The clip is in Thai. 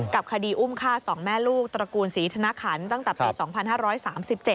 คดีอุ้มฆ่าสองแม่ลูกตระกูลศรีธนขันตั้งแต่ปี๒๕๓๗